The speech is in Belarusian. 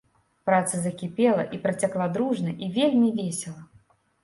Праца закіпела і працякла дружна і вельмі весела.